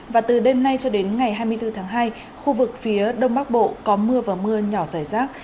và từ đêm nay cho đến ngày hai mươi bốn tháng hai khu vực phía đông bắc bộ có mưa và mưa nhỏ rải rác